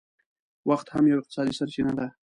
وخت هم یو اقتصادي سرچینه ده